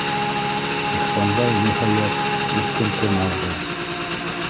Ихсанбай, ниһәйәт, иркен тын алды.